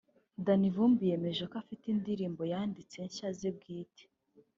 Danny Vumbi yemeje ko afite indirimbo yanditse nshya ze bwite